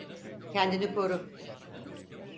Kendini koru!